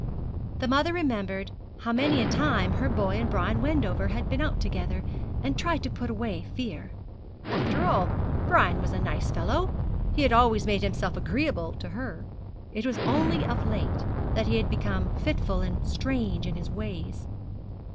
The mother remembered how many a time her boy and Brian Wendover had been out together, and tried to put away fear. After all, Brian was a nice fellow he had always made himself agreeable to her. It was only of late that he had become fitful and strange in his ways.